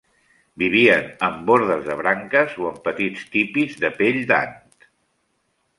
Vivien en bordes de branques o en petits tipis de pell d'ant.